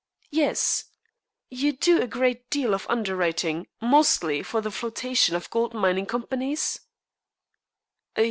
"Yes. You do a great deal of underwriting, mostly for the flotation of gold mining companies?"